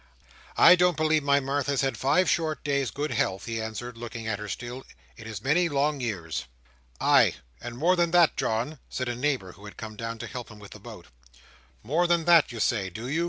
"I don't believe my Martha's had five short days' good health," he answered, looking at her still, "in as many long years." "Ay! and more than that, John," said a neighbour, who had come down to help him with the boat. "More than that, you say, do you?"